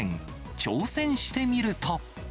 挑戦してみると。